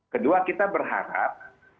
kedua kita berharap